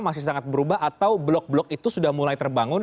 masih sangat berubah atau blok blok itu sudah mulai terbangun